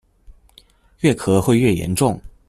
越咳會越嚴重